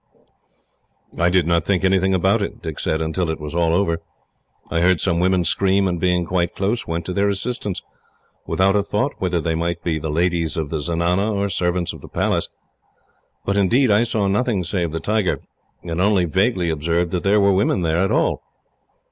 "I did not think anything about it," Dick said, "until it was all over. I heard some women scream, and, being quite close, went to their assistance, without a thought whether they might be the ladies of the zenana, or servants of the Palace. But indeed, I saw nothing save the tiger, and only vaguely observed that there were women there at all."